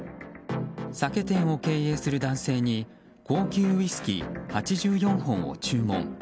酒店を経営する男性に高級ウイスキー８４本を注文。